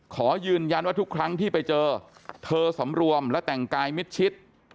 ขอยืนยันว่าทุกครั้งที่ไปเจอเธอสำรวมและแต่งกายมิดชิด